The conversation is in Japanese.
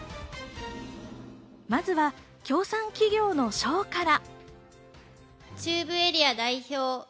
まずは協賛企業の賞から。